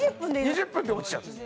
２０分で落ちちゃうんです